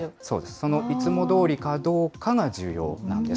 そのいつもどおりかどうかが重要なんです。